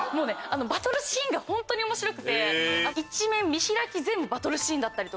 バトルシーンが本当に面白くて見開き全部バトルシーンだったり。